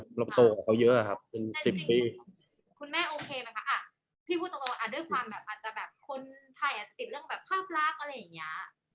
คุณแม่โอเคไหมคะพี่พูดตรงด้วยความอาจจะแบบคนไทยอาจติดเรื่องแบบภาพรากอะไรอย่างนี้